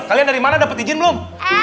kalian dari mana dapat izin belum